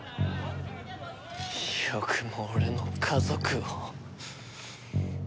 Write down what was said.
よくも俺の家族を！